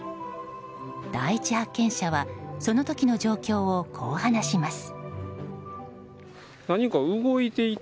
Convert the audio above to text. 第一発見者は、その時の状況をこう話します。